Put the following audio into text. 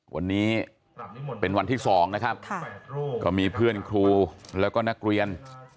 วันนี้เป็นวันที่๒นะครับก็มีเพื่อนครูแล้วก็นักเรียน